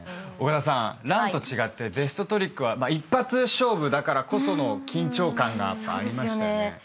岡田さんランと違ってベストトリックは一発勝負だからこその緊張感がありましたね。